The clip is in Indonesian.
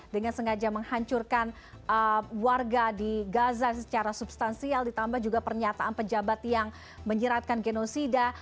dengan sengaja menghancurkan warga di gaza secara substansial ditambah juga pernyataan pejabat yang menyiratkan genosida